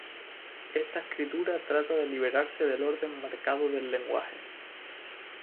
Esta escritura trata de liberarse del orden marcado del lenguaje.